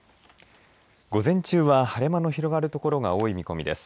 午前中は晴れ間の広がるところが多い見込みです。